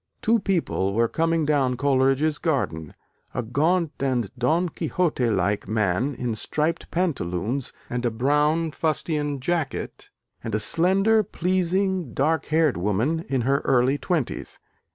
Two people were coming down Coleridge's garden, a "gaunt and Don Quixote like" man in striped pantaloons and a brown fustian jacket, and a slender, pleasing, dark haired woman in her early twenties.